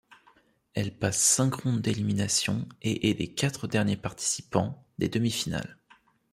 Elle passe cinq rondes d’élimination et est des quatre derniers participants des demi-finales.